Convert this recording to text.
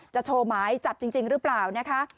โชว์หมายจับจริงหรือเปล่านะคะ